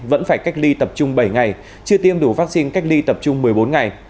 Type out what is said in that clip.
vẫn phải cách ly tập trung bảy ngày chưa tiêm đủ vaccine cách ly tập trung một mươi bốn ngày